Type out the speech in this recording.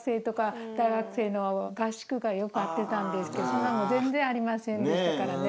そんなんも全然ありませんでしたからね。